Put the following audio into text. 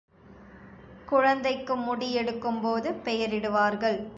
குழந்தைக்கு முடி யெடுக்கும்போது பெயரிடுவார்கள்.